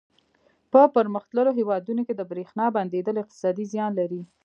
په پرمختللو هېوادونو کې د برېښنا بندېدل اقتصادي زیان لري.